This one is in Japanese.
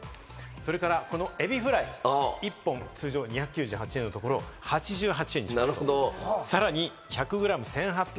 それからこのエビフライ１本、通常２９８円のところ、８８円にします。